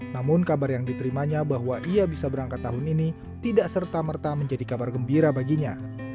namun kabar yang diterimanya bahwa ia bisa berangkat tahun ini tidak serta merta menjadi kabar gembira baginya